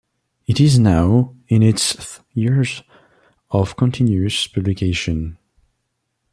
It is now in its th year of continuous publication.